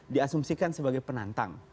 diasumsikan sebagai penantang